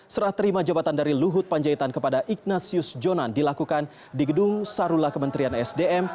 serah terima jabatan dari luhut panjaitan kepada ignatius jonan dilakukan di gedung sarula kementerian sdm